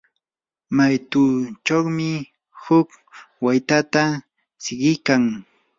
maytuchawmi huk waytata siqikan.